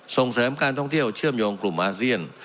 ส่งเสริมการท่องเที่ยวเชื่อมโยงกลุ่มอาเซียน